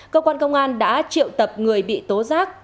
cơ quan công an đã triệu tập người bị tố giác